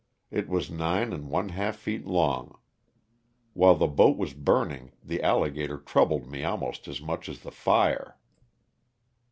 It was nin^ and one half feet long. While the boat was burning the alligator troubled me almost as much as the fire.